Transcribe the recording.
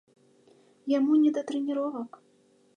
Яму не да трэніровак.